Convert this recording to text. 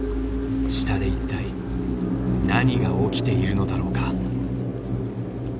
下で一体何が起きているのだろうか？